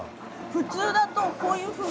普通だとこういうふうに。